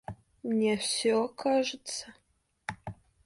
Мне все кажется.